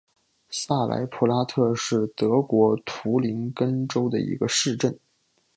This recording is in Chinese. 萨莱普拉特是德国图林根州的一个市镇。